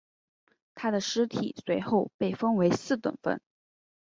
他的尸体随后被分成四等分。